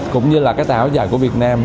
cũng như là cái tà áo dài của việt nam